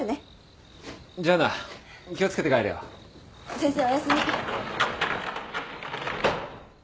先生おやすみ。